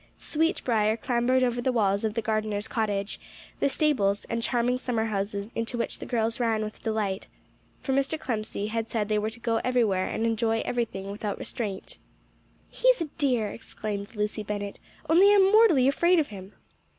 Sweetbrier clambered over the walls of the gardener's cottage, the stables, and charming summer houses, into which the girls ran with delight. For Mr. Clemcy had said they were to go everywhere and enjoy everything without restraint. "He's a dear," exclaimed Lucy Bennett, "only I'm mortally afraid of him."